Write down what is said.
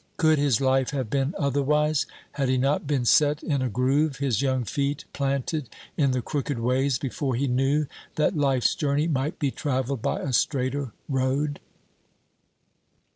Could his life have been otherwise? Had he not been set in a groove, his young feet planted in the crooked ways, before he knew that life's journey might be travelled by a straighter road?